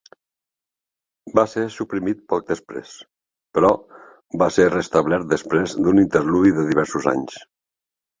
Va ser suprimit poc després, però, va ser restablert després d'un interludi de diversos anys.